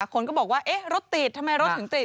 คนก็บอกว่าเอ๊ะรถติดทำไมรถถึงติด